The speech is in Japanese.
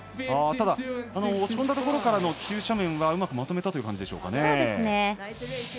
ただ、落ち込んだところからの急斜面はうまくまとめたという感じでしょうか。